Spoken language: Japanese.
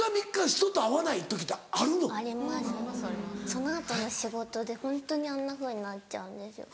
その後の仕事でホントにあんなふうになっちゃうんですよ。